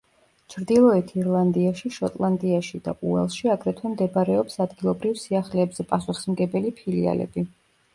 ჩრდილოეთ ირლანდიაში, შოტლანდიაში და უელსში აგრეთვე მდებარეობს ადგილობრივ სიახლეებზე პასუხისმგებელი ფილიალები.